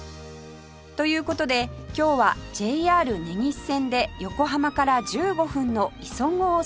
という事で今日は ＪＲ 根岸線で横浜から１５分の磯子を散歩